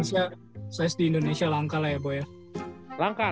size di indonesia langka lah ya bo ya